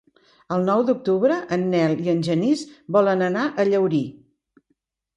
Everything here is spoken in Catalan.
El nou d'octubre en Nel i en Genís volen anar a Llaurí.